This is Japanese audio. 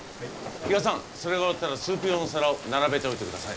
比嘉さんそれが終わったらスープ用の皿を並べておいてください。